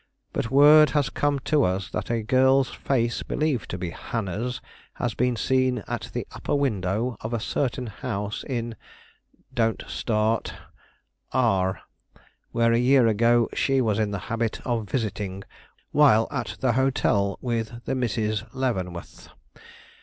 But word has come to us that a girl's face believed to be Hannah's has been seen at the upper window of a certain house in don't start R , where a year ago she was in the habit of visiting while at the hotel with the Misses Leavenworth.